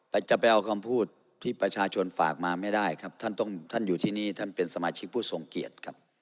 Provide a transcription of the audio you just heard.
แต่จะไปเอาคำพูดที่ประชาชนฝากมาไม่ได้ครับท่านต้องท่านอยู่ที่นี่ท่านเป็นสมาชิกผู้ทรงเกียรติครับ